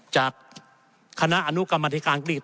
จากคณะอนุกรรมธิการอัศ